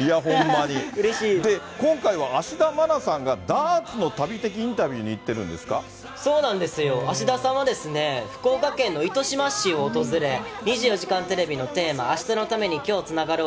今回は芦田愛菜さんがダーツの旅的インタビューに行ってるんそうなんですよ、芦田さんは福岡県の糸島市を訪れ、２４時間テレビのテーマ、明日のために、今日つながろう。